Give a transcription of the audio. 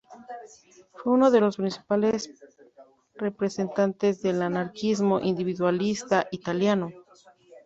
Fue uno de los principales representantes del anarquismo individualista italiano.